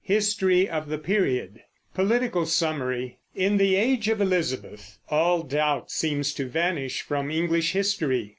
HISTORY OF THE PERIOD POLITICAL SUMMARY. In the Age of Elizabeth all doubt seems to vanish from English history.